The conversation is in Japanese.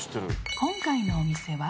［今回のお店は］